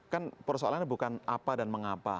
kan persoalannya bukan apa dan mengapa